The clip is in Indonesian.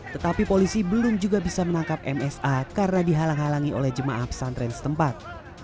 tetapi polisi belum juga bisa menangkap msa karena dihalang halangi oleh jemaah pesantren setempat